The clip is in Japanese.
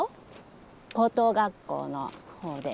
高等学校の方で。